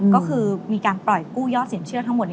ก็คือมีการปล่อยกู้ยอดสินเชื่อทั้งหมด